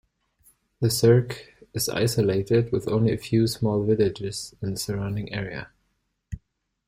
The cirque is isolated, with only a few small villages in the surrounding area.